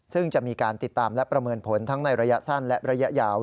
ซึ่งจะมีการติดตามและประเมินผลทั้งในระยะสั้นและระยะยาว